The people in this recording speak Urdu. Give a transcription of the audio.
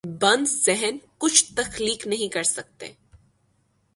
بند ذہن کچھ تخلیق نہیں کر سکتے۔